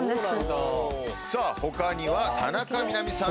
ほかには田中みな実さん